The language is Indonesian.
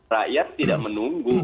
rakyat tidak menunggu